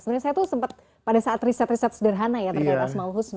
sebenarnya saya tuh sempat pada saat riset riset sederhana ya tuhan